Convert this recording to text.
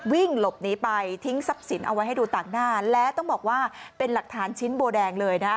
วิ่งหลบหนีไปทิ้งทรัพย์สินเอาไว้ให้ดูต่างหน้าและต้องบอกว่าเป็นหลักฐานชิ้นโบแดงเลยนะ